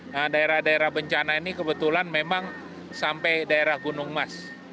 nah daerah daerah bencana ini kebetulan memang sampai daerah gunung mas